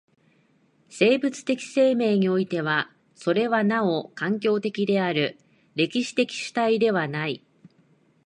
生物的生命においてはそれはなお環境的である、歴史的主体的ではない。